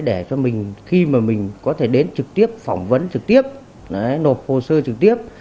để cho mình khi mà mình có thể đến trực tiếp phỏng vấn trực tiếp nộp hồ sơ trực tiếp